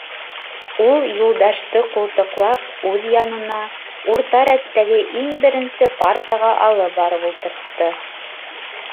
Ул Юлдашты ҡултыҡлап үҙ янына, урта рәттәге иң беренсе партаға алып барып ултыртты.